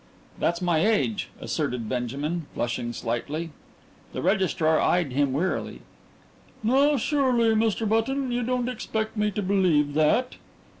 "That's my age," asserted Benjamin, flushing slightly. The registrar eyed him wearily. "Now surely, Mr. Button, you don't expect me to believe that."